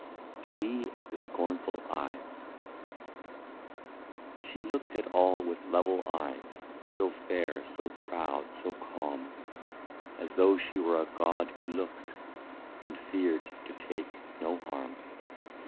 IS9 SHE OF THE SCORNFUL EYES. She looked at all with level eyes, So fair, so proud, so calm. As though she were a god who looked, And feared to take no harm.